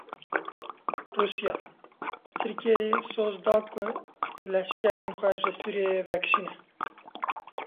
Rûsya; Tirkiyeyê soz da ku leşkerên xwe ji Sûriyeyê vekişîne.